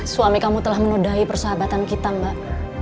suami kamu telah menodai persahabatan kita mbak